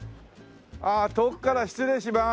あっ遠くから失礼します。